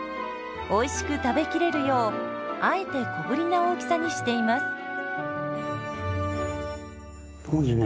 おいしく食べきれるようあえて小ぶりな大きさにしています。